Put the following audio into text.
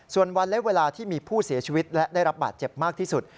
ส่วนวันและเวลาที่มีผู้เสียชีวิตและได้รับบาดเจ็บมากที่สุด